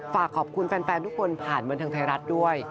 ฝากขอบคุณแฟนทุกคนผ่านบันเทิงไทยรัฐด้วย